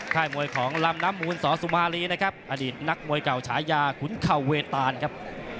มวยของลำน้ำมูลสอสุมารีนะครับอดีตนักมวยเก่าฉายาขุนเข่าเวตานครับ